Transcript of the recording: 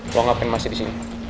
lo ngapain masih disini